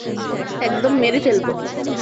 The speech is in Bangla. একদম মেরে ফেলব!